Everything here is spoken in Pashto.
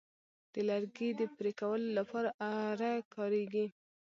د لرګي د پرې کولو لپاره آره کاریږي.